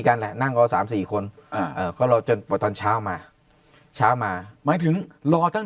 กันแหละนั่งรอ๓๔คนก็รอจนกว่าตอนเช้ามาเช้ามาหมายถึงรอทั้ง